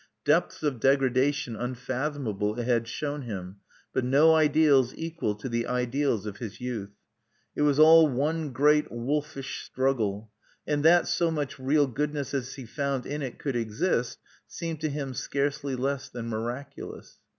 Depths of degradation unfathomable it had shown him, but no ideals equal to the ideals of his youth. It was all one great wolfish struggle; and that so much real goodness as he had found in it could exist, seemed to him scarcely less than miraculous.